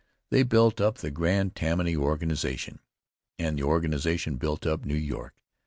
They built up the grand Tammany organization, and the organization built up New York.